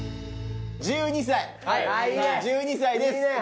１２歳１２歳です。